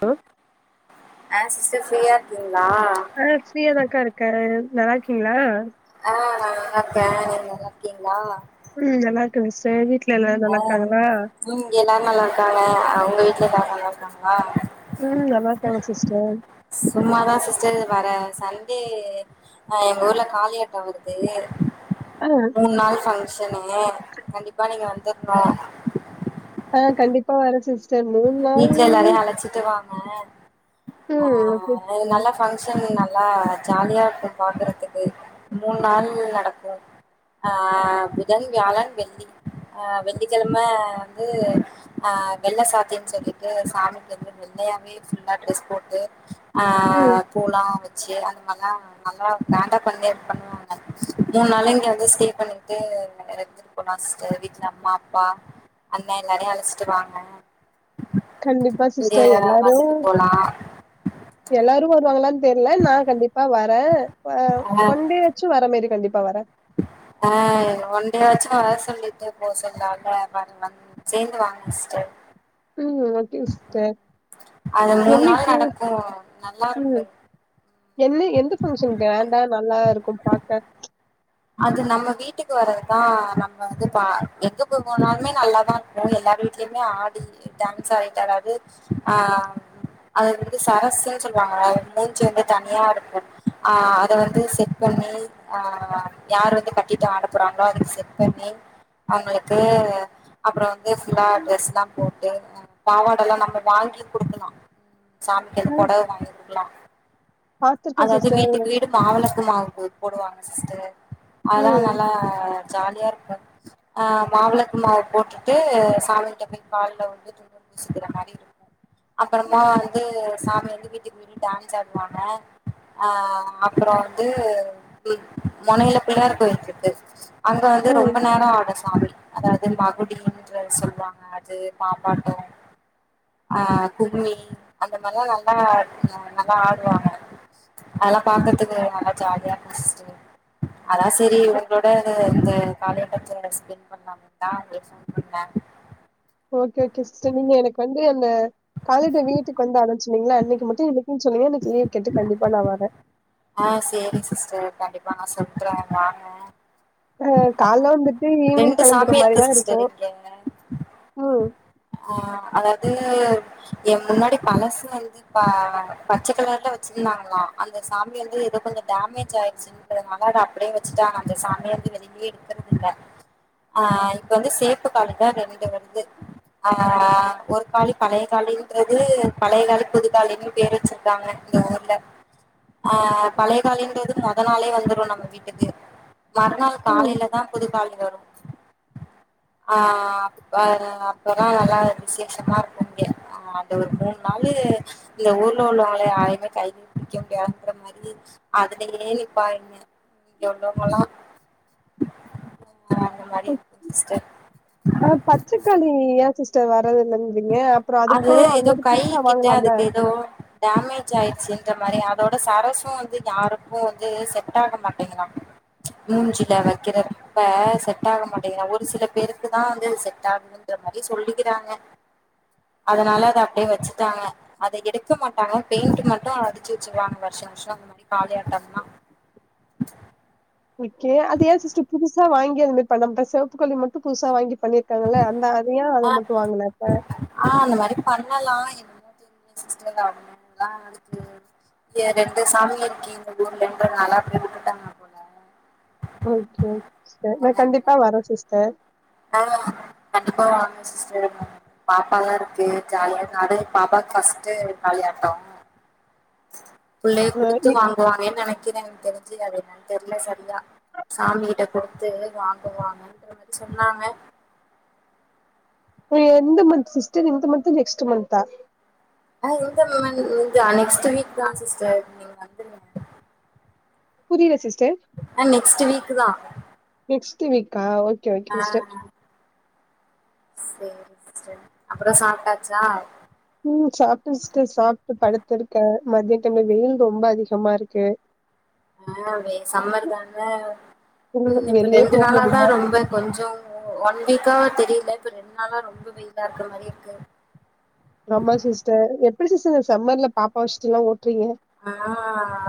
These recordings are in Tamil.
ஆ ஆன்சிஸ் ஃப்ரீயா இருக்கீங்களா ஆ ப்ரீயதாக்கா இருக்கேன் நல்லா இருக்கீங்ளா ஆ நா நல்லாருக்கேன் நீங்க நல்லா இருக்கீங்களா ம் நல்லா இருக்குங்க வீட்ல எல்லாரும் ஆ நல்லா இருக்காங்களா ம் எல்லாரும் நல்லா இருக்காங்க அவுங்க வீட்ல எல்லாரும் நல்லா இருக்காங்களா ம் நல்லாருக்காங்க சிஸ்டர் சும்மாதான் சிஸ்டர் இது வர சண்டே ஆ எங்க ஊர்ல காளி ஆட்டோம் வருது ஆ மூணு நாள் பஃங்க்ஷனு கண்டிப்பா நீங்க வந்துருனு ஆ கண்டிப்பா வரன் சிஸ் சார் மூண வீட்ல எல்லாரையும் அழச்சிட்டு வாாங்க ஆ ம் ஓகே சிஸ்டர் நல்லா ஃபங்க்ஷன் நல்லா ஜாலியா இருக்கும் பாக்குறதுக்கு மூணு நாள் நடக்கும் ஆ புதன் வியாழன் வெள்ளி அ வெள்ளிக்கிழம வந்து அஹ வெள்ள சாத்தி சொல்லிட்டு சாமிக்கு வந்து நெல்லையாவே புல்லா ட்ரெஸ் போட்டு அ ம் பூலாம் வெச்சு அந்த மாரிலாம் நல்லா க்ராண்டா பண்ணிருப்பாங்க மூணு நாளும் இங்க வந்து ஸ்டே பண்ணிட்டு போனா பஸ்ட்டு வீட்ல அம்மா அப்பா அண்ணா எல்லாரையும் அழச்சிட்டு வாங்க கண்டிப்பா இங்க சிஸ்டர் எல்லாரும் வந்துட்டு போலா எல்லாரும் வருவாங்களானு தெரில நான் கண்டிப்பா வரேன் ஆ வந்து வர மாரி கண்டிப்பா வரன் ஆ ஒண்டேயாச்சும் வர சொல்லிட்டே போ சொன்னாக்க வரன் வந் சேர்ந்து வாங்க சிஸ்டர் ம் ஓகே சிஸ்டர் அது மூணு நாள் என்னைக்கு நடக்கு நல்லா இருக்கு ம் என்ன எந்த பங்க்ஷன் கிராண்டா நல்லா இருக்கும் பாக்க அது நம்ம வீட்டுக்கு வர்றதுதான் நம்ம வந்து பா எங்க போ போனாலுமே நல்லாதான் அதுவும் ம் எல்லாரு வீட்லயுமே ஆடி டான்ஸ் ஆடிட்டு அதாவது ஆ அது வந்து சரஸ்சுன்னு சொல்லுவாங்க அது மூஞ்ச்சு வந்து தனியா இருக்கும் அ அத வந்து செட் பண்ணி ஆ யாரு வந்து கட்டிட்டு ஆட போறாங்களோ அதுக்கு செட் பண்ணி அவுங்களுக்கு அப்புறோம் வந்து எல்லா ட்ரெஸ் எல்லாம் போட்டு பாவாட எல்லாம் நம்ம வாங்கி குடுக்கலாம் சாமிக்களுக்கு ஆ அது பொடவை வாங்கி குடுக்கலாம் பாத்துருக்கே அதாவது சிஸ்டர் வீட்டுக்கு வீடு மாவிளக்கு மாவு போடுவாங்க சிஸ்டர் அதெல்லா ம் நல்லா ஜாலியா இருக்கு ஆ மாவிளக்கு மாவ போட்டுட்டு சாமி கிட்ட போய் கால்ல விழுந்து துந்நூரு பூசிக்கிற மாரி இருக்கும் அப்பறமா வந்து சாமி வந்து வீட்டுக்கு வீட்டு டான்ஸ் ஆடுவாங்க அ அப்றோ வந்து ம் மொனையில பிள்ளையார் கோவில் இருக்கு அங்க வந்து ம் ரொம்ப நேரம் ஆடும் சாமி அதாவது மகுடின்ற சொல்லுவாங்க அது பாம்பாட்டோ அ கும்மி அந்த மாரிலா நல்லா நல்லா ஆடுவாங்க அதெல்லா பாக்கறதுக்கு நல்லா ஜாலியா இருக்கு சிஸ்டர் அதா சேரி உங்களோட இந்த காளிய பத்தி எக்ஸ்பிளைன் பண் ணலாமேனுதா உங்களுக்கு ஃபோன் பண்ண ஓகே ஓகே சிஸ்டர் நீங்க எனக்கு வந்து அந்த காளி வீட்டுக்கு வந்தாங்கனு சொன்னீங்கள்ல அன்னைக்கு மட்டு என்னை க்குனு சொல்லுங்க எனக்கு லீவு கேட்டு கண்டிப்பா நா வரேன் ஆ சேரி சிஸ்டர் கண்டிப்பா நா சொல்றே வாங்க ஆ கால்ல வந்துட்டு ஈவினிங் ரெண்டு கெளம்பிட்ற சாமி மாரிதா இருக்கு, சிஸ்டர் இங்க ம் ஆ அதாவது எ முன்னாடி பழசு வந்து ப்ப பச்ச கலர்ல வச்சிருந்தாங்களா அந்த சாமி வந்து எதோ கொஞ்சோ டேமேஜ் ஆயிருச்சு ன்றதுனால அத அப்டியே வச்சுட்டாங்க அந்த சாமிய வந்து வெளியே எடுக்கறது இல்ல ஆ இப்ப வந்து சேப்பு காளிதா ரெண்டு வருது ஆ ஒரு காளி பழைய காளின்றது பழைய காளி புது காளின்னு பேரே வச் சிட்டாங்க இங்க ஊர்ல ஆ பழைய கானுன்றது மொத நாளே வந்துரு நம்ம வீட்டுக்கு மறு ம். காலையிலதா புது காளி வரு ஆ அப்ப அப்பதா நல்லா விசேஷமா இருக்கு இங்க ஆ அந்த ஒரு மூணு நாள் இந்த ஊர்ல உள்ளவங்கள யாரையுமே கையிலயே புடிக்க முடியாதுன்ற மாதிரி அதுலயே நிப்பாங்க இங்க உள்ளவங்கல்லா அ அந்த மாதிரி இருக்கு சிஸ்டர் ஆ பச்சைக்காளி ஏன் சிஸ்டர் வர்றது இல்லங்றீங்க அப்பறோ அது அதுக்கு ஏதோ அந்தமேரி கை புதுசா கிட்ட வாங்கலாம்ல அதுக்கு ஏதோ டேமேஜ் ஆயிடுச்சுன்ற மாரி அதோட சரஸம் வந்து இங்க யாருக்கு வந்து செட் ஆக மாட்டீங்கிதா மூஞ்சில வைக்கிறப்ப செட் ஆக மாட்டேங்குதா ஒரு சில பேருக்குதா வந்து செட்டாவ லன்ற மாரி சொல்லிக்கிறாங்க அதனால அதை அப்டியே வச்சுட்டாங்க அதை எடுக்க மாட்டாங்க பெயிண்ட் மட்டு அடிச்சு வச்சிருவாங்க வருஷா வருஷம் அந்த மாரி காளியாட்டம்னா ஓகே அது ஏ சிஸ்டர் புதுசா வாங்கி அது மாரி பண்ண மாட்டாங்க செவப்புக் காளி மட்டு புதுசா வாங்கி பண்ணிரு க்காங்கள அந்த அது ஏ அத ஆ மட்டு வாங்கல அப்ப ஆ அந்த மாரி பண்ணலா என்னனு தெரில சிஸ்டர் அவ்ளோலா எனக்கு ஏ ரெண்டு சாமி இருக்கிங்க ஊருலன்றனால அப்டி வுட்டுட்டாங்க ஓகே ஓகே சிஸ்டர் நா கண்டிப்பா வரேன் சிஸ்டர் ஆ கண்டிப்பா வாங்க சிஸ்டர் பாப்பாங்க இருக்கு ஜாலியா நானு பாப்பா க்கு ஃபஸ்ட்டு காளியாட்டோ புள்ளைய அ குடுத்து வாங்குவாங்கன்னு நெனைக்கிற எனக்கு தெரிஞ்சு அது என்னனு தெரில சரியா சாமி கிட்ட குடுத்து வாங்குவாங்கன்ற மாரி சொன்னாங்க ம், எந்த மந்த் சிஸ்டர் இந்த மந்த்தா நெக்ஸ்ட் மந்த்தா அ இந்த மந்த் இந்த நெக்ஸ்ட் வீக்தா சிஸ்டர் நீங்க வந்துடு புரில சிஸ்டர் ஆ நெக்ஸ்ட் வீக் தா நெக்ஸ்ட் வீக்கா ஓகே கே ஆ சிஸ்டர் சேரி சிஸ்டர் அப்ற சாப்ட்டாச்சா ம் சாப்ட்ட சிஸ்டர் சாப்ட்டு படுத்து இருக்க மத்தியா டைம் ல வெயில் ரொம்ப அதிகமா இருக்கு ஆ சம்மர் தான ம் இப்ப வெளியே ரெண்டு போ நாளா தான முடியல. ரொம்ப கொஞ்ச ஒன் வீக்கா தெரில இப்ப ரெண்டு நாளா ரொம்ப வெயிலா இருக்குற மாதிரி இருக்கு ஆமா சி்ஸ்டர் எப்டி சிஸ்டர் இந்த சம்மர்ல பாப்பா வச்சிட்டு எல்லா ஓட்டுறீங்க ஆ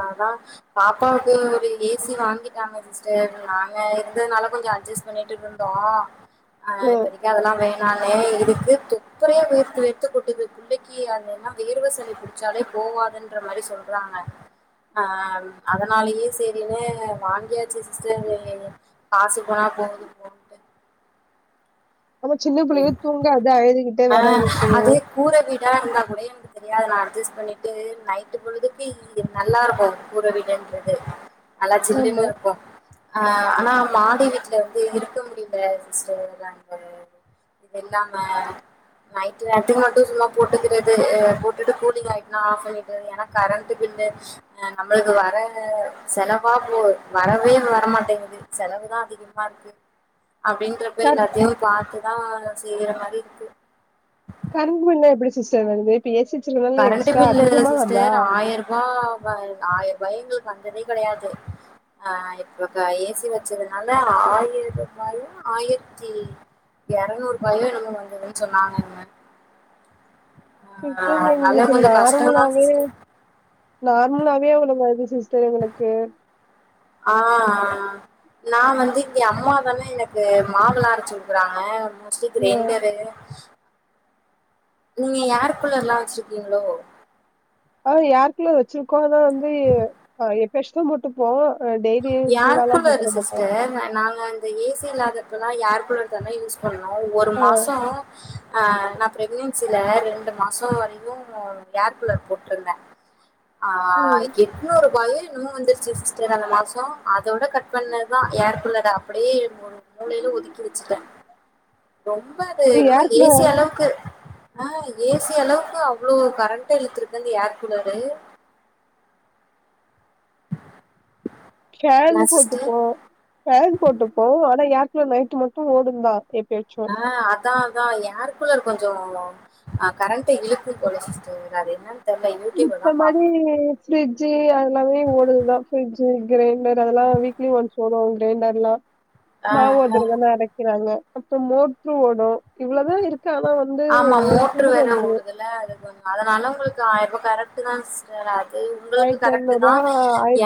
அதா பாப்பாவுக்கு ஒரு ஏசி வாங்கிட்டாங்க சிஸ்டர் நாங்க இருந்ததுனால கொஞ்ச அட்ஜஸ்ட் பண்ணிட்டு இருந்தோ ஆ ம். இப்பதிக்கு அதெல்லா வேணாமே இதுக்கு தொப்பரையா வேர்த்து வேர்த்து கொட்டுது பிள்ளைக்கு அது என்னது வேர்வ சளி சளி புடிச்சவே போவதுன்ற மாதிரி சொல்றாங்க ஆ அதனாலயே சேரின்னு வாங்கியாச்சி சிஸ்டர் காசு போனா போகுது போ ஆமா சின்ன அது பிள்ளைங்க தூங்காது அழுதுகிட்டே வேற இருக்கு கூற வீடா இருந்தா கூட எனக்கு தெரியாது நா அட்ஜஸ்ட் பண்ணிட்டு நைட்டு பொழுதுக்கு நல்லா இருக்கு கூற வீட்டுன்றது நல்லா ஜில்லுனு ஆமா. இருக்கு ஆனா மாடி வீட்ல வந்து இருக்க முடியல சிஸ்டர் [unintelligible] நாங்க வந்து இல்லாம நைட் நேரத்துக்கு மட்டு சும்மா போட்டுக்கிறது போட்டுட்டு கூலிங் ஆயிட்டுன்னா ஆஃப் பன்னிருறது ஏன்னா கரண்ட் பில்லு நம்மளுக்கு வர செலவா போ வரவே வரமாட்டங்குது செலவுதா அதிகமா இருக்கு அப்டிங்கற கர எல்லாத்தையு பார்த்துதா செய்யற மாதிரி இருக்கு கரும்புனா‌ எப்டி சிஸ்டர் வருது பேசி வச்சிருவ கரண்ட் பில் சிஸ்டர் ஆயிர ரூபா ஆயிரம் ரூபாய எங்களுக்கு வந்ததே கிடையாது ஆ இப்ப ஏசி வச்சதுனால ஆயிர ரூபாயு ஆயிரத்தி இருநூறு ரூபாயோ என்னமோ வந்ததுனு சொன்னாங்க சிஸ்டர் எங்களுக்கு கஷ்டந்தா நார்மலாவே சிஸ்டர் நார்மலாவே அவ்ளோ வருது சிஸ்டர் எங்களுக்கு ஆ ஆ நா வந்து இங்க அம்மா தான எனக்கு மாவில்ள அரச்சு குடுக்குறாங்க மிக்ஸி ஆ. கிரைண்டரு நீங்க ஏர் கூளர் எல்லா வச்சிருக்கீங்களோ அ ஏர் கூலர் வச்சிருக்கோ ஆனா வந்து எப்பயாச் போட்டுப்போ டெய்லி ஏர் ஃபுல்லா எல்லா கூலர் போட்டுக்கமாட்டோ சிஸ்டர் நாங்க அந்த ஏசி இல்லாதப்பல்லா ஏர் கூலர் தான யூஸ் பண்ண ஒரு ஆ. மாச ஆ நா பிரக்னன்சில ரெண்டு மாச வரைக்கு ஏர் கூலர் போட்டிருந்த ஆ ம். எட்நூறு ரூபாயோ என்னவோ வந்துருச்சு சிஸ்டர் அந்த மாச அதோட கட் பண்ணதுதா ஏர் கூலர் அப்டியே மூளையில ஒதுக்கி வச்சுட்ட ரொம்ப அது என்னமோ ஏர் ஏ சி கூலர் அளவுக்கு ஆஹ ஏசி அளவுக்கு அவ்வளோ கரண்ட இழுத்துருக்கு அந்த ஏர் கூலரு ஃபேன் இல்ல சிஸ்டர் போட்டுப்போ ஃபேன் போட்டுப்போம் ஆனா ஏக்குலர் நைட் மட்டும் ஓடு தான் ஏப்பயாச்சு ஆ அதான் அதான் ஏக்குலர் கொஞ்சோ ஆ கரண்ட் இழுக்கு போல சிஸ்டர் அது என்னன்னு தெர்ல யூடியூப்ல தா இப்ப மாரி பாக்கணு ஃப்ரிட்ஜு அதெல்லாமே ஓடுதுதா ஃப்ரிட்ஜு கிரைண்டர் அதெல்லா வீக்லி ஒன்டுவோங்க கிரைண்டர் எல்லா ஆ மாவு ஆ அதுலதானா அரைக்கிறாங்க அப்ப மோடரு ஓடும் இவ்ளோதான் இருக்கு ஆனா வந்து கூடு வந்துடுது ல்ல அடுக்கும்ங்க அதனால உங்களுக்கு ஆயிரருபா கரெக்ட் தா சிஸ் டர் அது உங்களுக்கு கரெக்ட் ரூ. தான்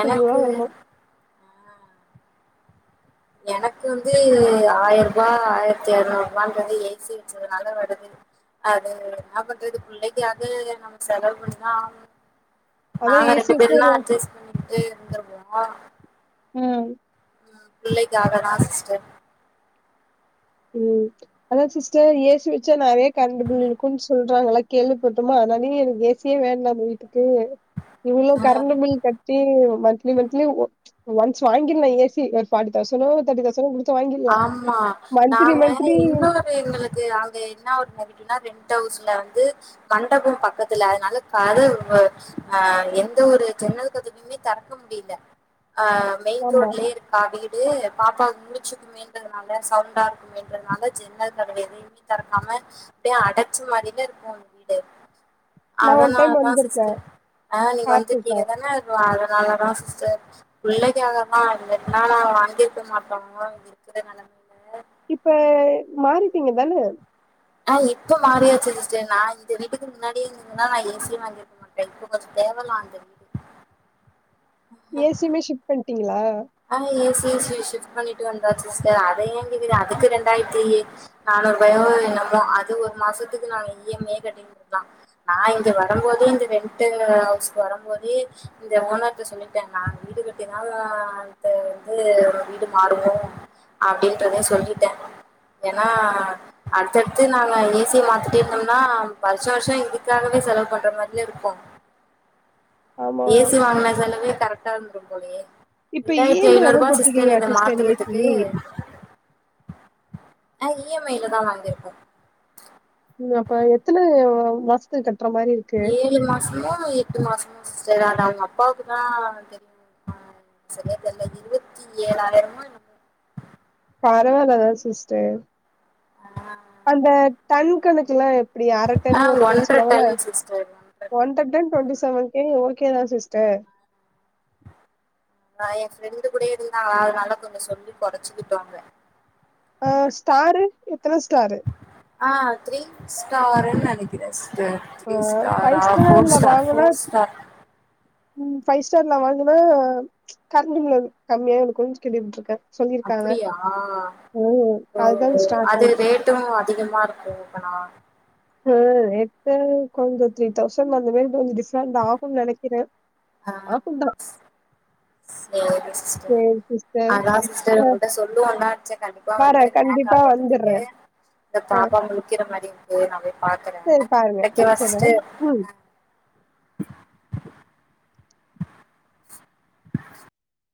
எனக்கு வரும். எனக்கு வந்து ஆயிரம் ரூபாய் ஆயிரத்தி அறநூறு ரூபா வந்து ஏ சி வச்சதுனால வருது அது என்ன பண்றது பிள்ளைக்காவ நம்ம செலவு பண்ணிதா ஆகான்னு அதான் நாங்க ஏசி ரெண்டு வச்சா பேருன்னா ஒரு அட்ஜஸ்ட் பண்ணிட்டு இருந்துடுவோம் ம் பிள்ளைக்காக தா சிஸ்டர் ம் அதா சிஸ்டர் ஏ சி வச்சா நெறையா கரண்டு பில் இருக்குன்னு சொல்றாங்களா கேள்விப்பட்டமா அதனாலேயே எனக்கு ஏ சி வேண்டாம் நம்ம வீட்டுக்கு இவ்ளோ கரண்ட் பில் கட் டிட்டு மந்த்லி மந்தலி ஒ ம்ச் ஒன்ஸ் வாங்கிருல ஏ சி ஒரு ஃபாரிட்டி தௌசண்னோ தேர்ட்டி தௌசண்னோ குடுத் ஆமா நாங்க இன்னொ ரு எங்களுக்கு அங்க என்ன ஒரு நெகட்டிவெனா ரெண்டட் ஹவுஸ்ல வந்து மண்டபம் பக்கத்துல அதனால கதவு ஆ எந்த ஒரு ஜன்னல் கதவுையுமே திறக்க முடியல ஆ மெயின் ஆமா ரோட்லயே இருக்கா வீடு பாப்பா முழுச்சுரு மெயின் ரோடுனால சவுண்டா இருக்கு மெயின் ரோடுனால ஜன்னல் கதவு எதையுமே தரக்காம அப்டியே அடைச்ச மாதிரில்ல இருக்கும் உங்க வீடு நா ஒன் டைம் அதனாலதா வந்திருக்கே சிஸ்டர் ஆ நீங்க பாத்துருக்கே வந்திருக்கீங்க தான அதனாலதா சிஸ்டர் பிள்ளைக்காக தான் இல்லாட்டினா நாங்க வாங்கிருக்க மாட்டோ கது மேணம் இப்ப மாறிட்டிங்க தான ஆ இப்ப மாறியாச்சு சிஸ்டர் நான் இந்த வீட்டுக்கு முன்னாடியே இருந்ததுன்னா நான் ஏ சிய வாங்கிருக்க மாட்டேன் இப்ப கொஞ்சோ தேவலா இந்த வீடு ஏ சியுமே ஷிஃப்ட் பண்ணிட்டீங்களா ஆ ஏ சி ஏ விஷிப் பண்ணிட்டு வந்தா சிஸ்டர் அது ஏ கேக்குறீங்க அதுக்கு இரண்டாயிரத்தி நானூறு பயம் என்னமோ அது ஒரு மாசத்துக்கு நாங்க இ எம் ஐய கட்டிட்டு இருந்தோம் நா இங்க வரும் போதே இந்த ரண்ட் ஹவுஸ்க்கு வரும் போதே இந்த ஓனர் கிட்ட சொல்லிட்டேன் நாங்க வீடு கட்டினாலா வந்து வீடு மாறுவோம் அப்டின்றதே சொல்லிட்டே ஏன்னா அடுத்தடுத்து நாங்க ஏ சியை மாத்துட்டே இருந்தோம்னா வருஷம் வருஷம் இதுக்காகவே செலவு பண்ற மாதிரியில இருக்கு ஆமா ஏ சி வாங்கின செலவே கரெக்டா இருந்துரும் போலையே இப்ப இ இரண்டாயிரத்தி எம் ஐ ஐநூறு லதா ரூபாய் சிஸ்டர் போட்ருக்கீங்களா இத ஏசி மாத்தறதுக்கு ஆ இ எம் ஐல தான் வாங்கிருக்கோம் இன்னுபா எத்தன மாசத்து கட்டுற மாதிரி இரு ஏழு மாசமோ எட்டு மாசமோ சிஸ்டர் அது அவங்க அப்பாக்கு தா தெரியுமா செரியா தெரியல இருபத்தி ஏழாயிரமோ என்னமோ பரவால்ல தா சிஸ்டர் ஆ அந்த டன் கணக்கல்லா எப் அப்டியா அர டன் ஒரு டன் சொல்லுவாங்கள ஒன்ற ton twenty seven K okay தா சிஸ்டர் நா எ ஃப்ரெண்டு கூடயே இருந்த அதனால கொஞ்ச சொல்லி கொறச்சிக்கிட்டோங்க அ ஸ்டாரு எத்தன ஸ்டாரு அ த்ரீ ஸ்டாருன் நெனக்குற சிஸ்டர் ஆ த்ரீ ஃபைவ் ஸ்டாரா ஃபோர் ஸ்டார்ல ஸ்டார் வாங்குனா ஃபோர் ஸ்டார் ம் ஃபைவ் ஸ்டார்லா வாங்குனா கரண்டு பில் கம்மியாகு கொஞ் கேள்வி பட்ருக்கே அப்படியா ஓ அதுதா ஸ்டார் அது கணக்கு ரேட் ட்டு அதிகமா இருக்கு அப்பனா அ ரேட்டு கொஞ்ச த்ரீ தௌசண்ட் அந்த மாரி கொஞ்ச டிஃப்ரெண்ட் ஆகுனு நெனைக்கிற ஆகுந்தா சரி சிஸ்டர் சேரி சிஸ்டர் அதா சிஸ்டர் ஆ உங்கட்ட சொல்லுவந்தா அச்ச கண்டிப்பா வரே வந்திரு அ கண்டிப்பா காலட்டறத்துக்கு வந்துட்றே இந்த ஆ பாப்பா முழிக்கிற மாரி து நா போய் பாக்குற சேரி பாருங்க வைக்கவா வச்சர்றே சிஸ்டர் ம்